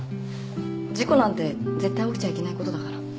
事故なんて絶対起きちゃいけないことだから。